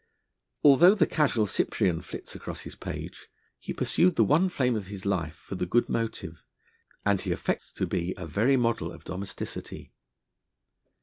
Although the casual Cyprian flits across his page, he pursued the one flame of his life for the good motive, and he affects to be a very model of domesticity.